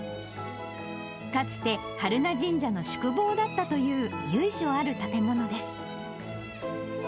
かつて、榛名神社の宿坊だったという由緒ある建物です。